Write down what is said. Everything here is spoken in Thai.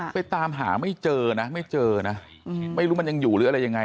วันนี้เราพยายามไปตามหาไม่เจอนะไม่รู้มันยังอยู่หรืออะไรยังไง